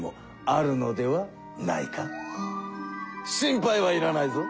心配はいらないぞ！